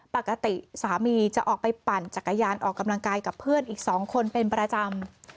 ปกติสามีจะออกไปปั่นจักรยานออกกำลังกายกับเพื่อนอีก๒คนเป็นประจำ